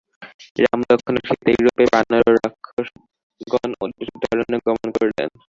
রাম, লক্ষ্মণ ও সীতা এইরূপে বানর ও রাক্ষসগণ-অধ্যুষিত অরণ্যে গমন করিলেন।